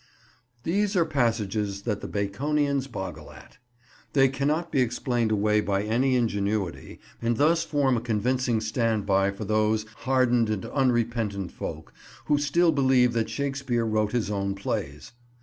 These are passages that the Baconians boggle at. They cannot be explained away by any ingenuity, and thus form a convincing stand by for those hardened and unrepentant folk who still believe that Shakespeare wrote his own plays.